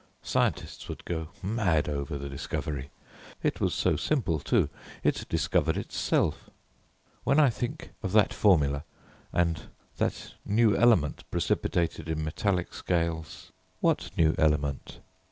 Scientists would go mad over the discovery. It was so simple too; it discovered itself. When I think of that formula, and that new element precipitated in metallic scales " "What new element?"